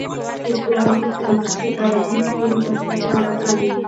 لیکوال لیکلي چې عربي توري بسنه نه کوي.